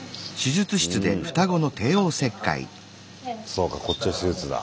そうかこっちは手術だ。